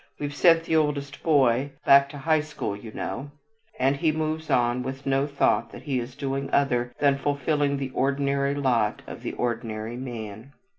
We've sent the oldest boy back to high school, you know," and he moves on with no thought that he is doing other than fulfilling the ordinary lot of the ordinary man.